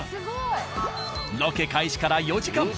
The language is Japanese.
ロケ開始から４時間。